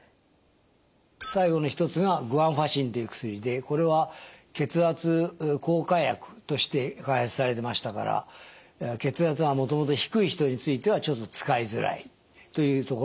最後の一つがこれは血圧降下薬として開発されましたから血圧がもともと低い人についてはちょっと使いづらいというところがあります。